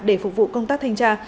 để phục vụ công tác thanh tra